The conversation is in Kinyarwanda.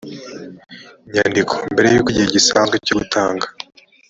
nyandiko mbere y uko igihe gisanzwe cyo gutanga